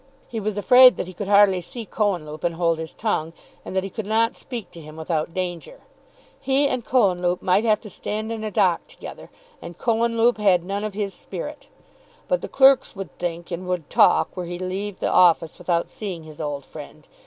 He was afraid that he could hardly see Cohenlupe and hold his tongue, and that he could not speak to him without danger. He and Cohenlupe might have to stand in a dock together; and Cohenlupe had none of his spirit. But the clerks would think, and would talk, were he to leave the office without seeing his old friend.